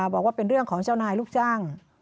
บอกว่าเป็นเรื่องของเจ้านายลูกจ้าง